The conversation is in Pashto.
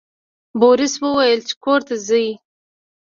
بوریس وویل چې کور ته ځئ.